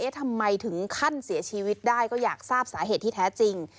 ทำไมถึงขั้นเสียชีวิตได้ก็อยากทราบสาเหตุที่แท้จริง